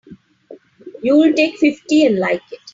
You'll take fifty and like it!